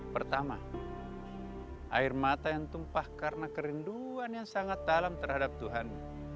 pertama air mata yang tumpah karena kerinduan yang sangat dalam terhadap tuhan